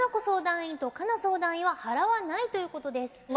相談員と佳奈相談員は「払わない」ということです。